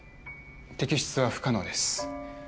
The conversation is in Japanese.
摘出は不可能です